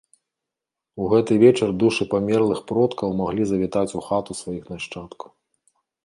У гэты вечар душы памерлых продкаў маглі завітаць у хату сваіх нашчадкаў.